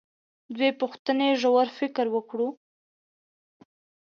دوې پوښتنې ژور فکر وکړو.